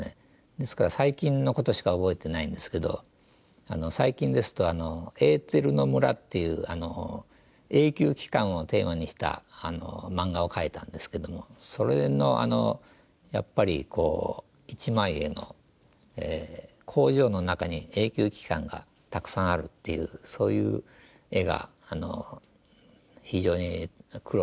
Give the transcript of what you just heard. ですから最近のことしか覚えてないんですけど最近ですと「エーテルの村」っていう永久機関をテーマにした漫画を描いたんですけどもそれのあのやっぱりこう一枚絵の工場の中に永久機関がたくさんあるっていうそういう絵が非常に苦労しましたね。